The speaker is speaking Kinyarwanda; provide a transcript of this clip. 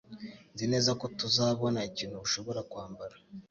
Nzi neza ko tuzabona ikintu ushobora kwambara.